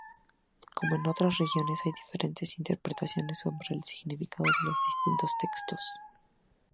Como en otras religiones hay diferentes interpretaciones sobre el significado de los distintos textos.